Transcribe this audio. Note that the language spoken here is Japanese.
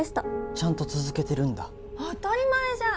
ちゃんと続けてるんだ当たり前じゃん！